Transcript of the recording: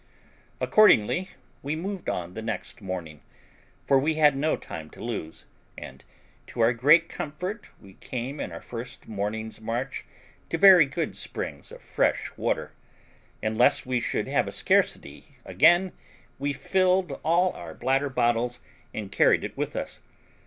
Accordingly we moved on the next morning; for we had no time to lose, and, to our great comfort, we came in our first morning's march to very good springs of fresh water; and lest we should have a scarcity again, we filled all our bladder bottles and carried it with us.